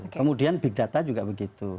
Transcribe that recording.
kemudian big data juga begitu